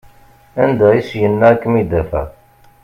Anda i s-yenna ad kem-id-afeɣ?